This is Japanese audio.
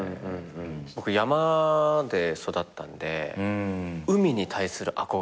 僕山で育ったんで海に対する憧れが尋常じゃない。